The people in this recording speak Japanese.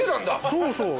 そうそう。